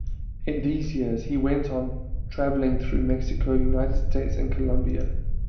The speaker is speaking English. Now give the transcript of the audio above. In these years, he went on traveling through Mexico, United States and Colombia.